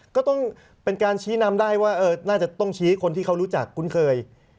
ก็ต้องเป็นการชี้นำได้ว่าน่าจะต้องชี้คนที่เขารู้จักคุ้นเคย